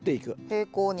平行に。